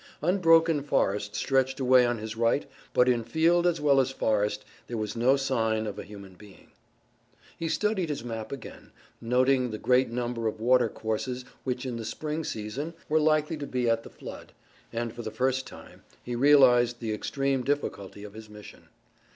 Unbroken forest stretched away on his right, but in field as well as forest there was no sign of a human being. He studied his map again, noting the great number of water courses, which in the spring season were likely to be at the flood, and, for the first time, he realized the extreme difficulty of his mission.